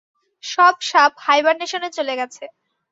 সব সাপ হাইবারনেশনে চলে গেছে।